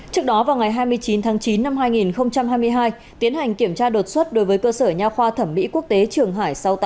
trước đó vào ngày hai mươi chín tháng chín năm hai nghìn hai mươi hai tiến hành kiểm tra đột xuất đối với cơ sở nhà khoa thẩm mỹ quốc tế trường hải sáu mươi tám